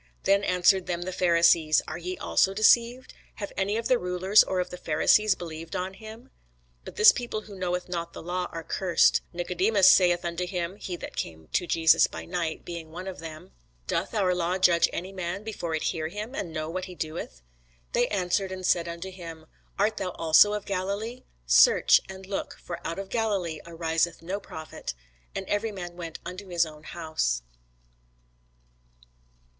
Then answered them the Pharisees, Are ye also deceived? Have any of the rulers or of the Pharisees believed on him? But this people who knoweth not the law are cursed. Nicodemus saith unto them, (he that came to Jesus by night, being one of them,) Doth our law judge any man, before it hear him, and know what he doeth? They answered and said unto him, Art thou also of Galilee? Search, and look: for out of Galilee ariseth no prophet. And every man went unto his own house.